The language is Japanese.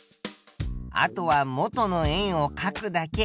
あとは元の円をかくだけ。